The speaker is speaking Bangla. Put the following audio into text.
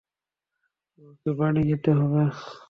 তোমাকে বাড়ি যেতে হবে।